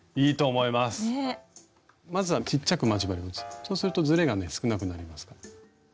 そうするとずれがね少なくなりますから。